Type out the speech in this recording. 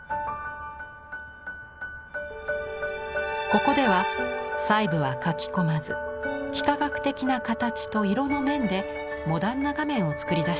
ここでは細部は描き込まず幾何学的な形と色の面でモダンな画面を作り出しています。